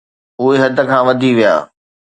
اهي حد کان وڌي ويا.